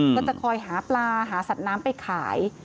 ก็จะคอยหาปลาหาสัตว์น้ำไปขาย